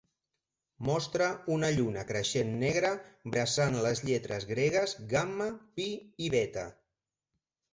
Mostra una lluna creixent negra bressant les lletres gregues gamma, phi i beta.